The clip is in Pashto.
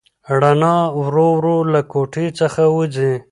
رڼا ورو ورو له کوټې څخه وځي.